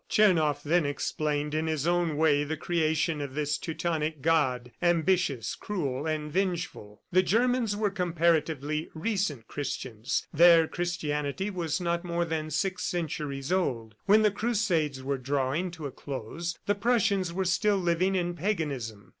Tchernoff then explained in his own way the creation of this Teutonic God, ambitious, cruel and vengeful. The Germans were comparatively recent Christians. Their Christianity was not more than six centuries old. When the Crusades were drawing to a close, the Prussians were still living in paganism.